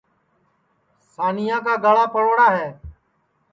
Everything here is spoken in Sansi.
سانیا کُو گڑا پڑوڑا ہے